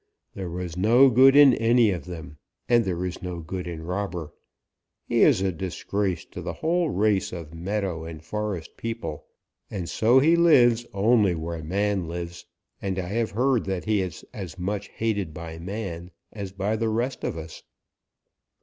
There was no good in any of them, and there is no good in Robber. He is a disgrace to the whole race of meadow and forest people, and so he lives only where man lives, and I have heard that he is as much hated by man as by the rest of us.